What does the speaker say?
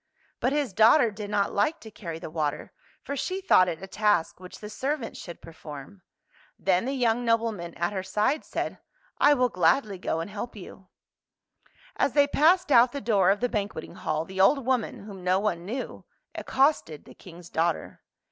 But his daughter did not like to carry the water, for she thought it a task which the servants should perform. Then the young nobleman at her side said, " I will gladly go and help you." [ 136 ] THE SPRING IN THE VALLEY As they passed out the door of the ban queting hall, the old woman, whom no one knew, accosted the King's daughter.